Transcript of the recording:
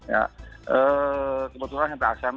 ya kebetulan hendra ahsan